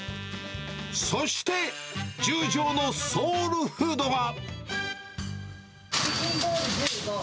そして、十条のソウルフードは。